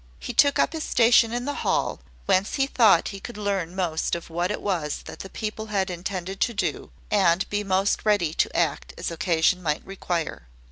He took up his station in the hall, whence he thought he could learn most of what it was that the people had intended to do, and be most ready to act as occasion might require.